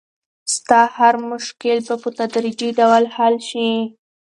ستا هر مشکل به په تدریجي ډول حل شي.